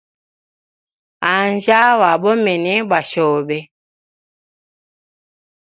Anjya, wa bomene bwa shobe.